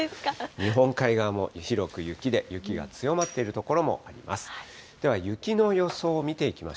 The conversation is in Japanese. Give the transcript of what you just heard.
日本海側も広く雪で、雪が強まっている所もあります。